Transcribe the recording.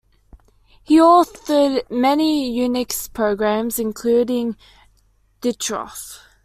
He authored many Unix programs, including ditroff.